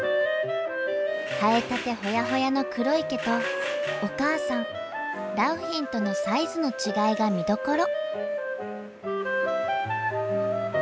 生えたてほやほやの黒い毛とお母さん良浜とのサイズの違いが見どころ。